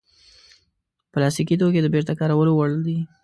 پلاستيکي توکي د بېرته کارولو وړ دي.